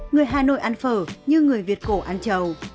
người hà nội ăn phở như người việt cổ ăn chầu